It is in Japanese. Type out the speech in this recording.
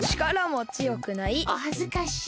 おはずかしい。